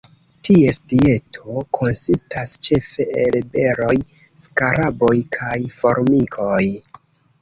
Ties dieto konsistas ĉefe el beroj, skaraboj kaj formikoj.